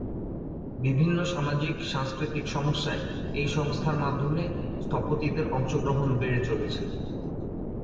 বিভিন্ন সামাজিক সাংস্কৃতিক সমস্যায় এই সংস্থার মাধ্যমে স্থপতিদের অংশগ্রহণ বেড়ে চলছে।